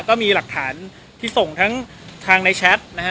ก็มีหลักฐานที่ส่งทั้งทางในแชทนะฮะ